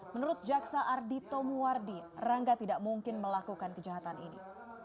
menurut jaksa ardi tomuwardi rangga tidak mungkin melakukan kejahatan ini